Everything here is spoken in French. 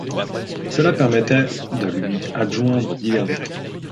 Cela permettait de lui adjoindre divers écrans.